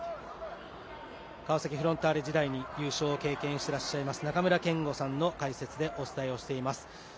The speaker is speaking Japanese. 川崎フロンターレ時代に優勝を経験していらっしゃいます中村憲剛さんの解説でお伝えしています。